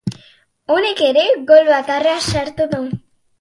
Honek ere, gol bakarra sartu du.